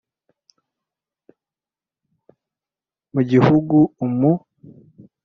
mu gihugu umu